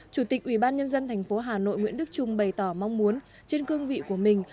chủ tịch ủy ban nhân dân tp hà nội nguyễn đức trung bày tỏ mong muốn trên cương vị của mình